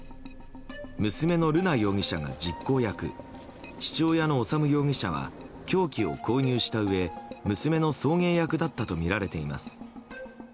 娘の瑠奈容疑者が実行役父親の修容疑者は凶器を購入したうえ娘の送迎役だったとみられています。